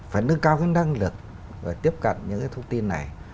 phải nâng cao cái năng lực và tiếp cận những cái thông tin này